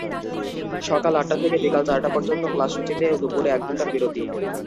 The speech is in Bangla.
সকাল আটটা থেকে বিকেল চারটা পর্যন্ত ক্লাস সূচিতে দুপুরে একঘণ্টার বিরতি।